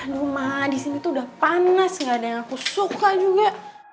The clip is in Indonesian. rumah di sini tuh udah panas gak ada yang aku suka juga